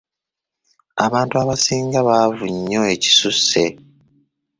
Abantu abasinga baavu nnyo ekisusse.